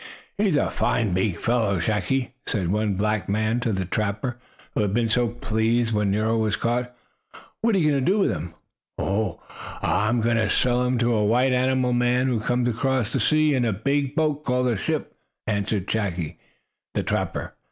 "He's a fine big fellow, Chaki," said one black man to the trapper who had been so pleased when Nero was caught. "What are you going to do with him?" "Oh, I am going to sell him to a white animal man who comes from across the sea in a big boat called a ship," answered Chaki, the trapper.